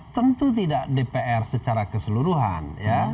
tentu tidak dpr secara keseluruhan ya